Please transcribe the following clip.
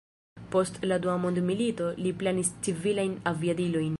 Post la dua mondmilito, li planis civilajn aviadilojn.